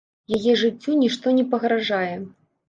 Яе жыццю нішто не пагражае.